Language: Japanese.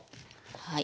はい。